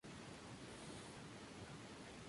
Lígula pilosa.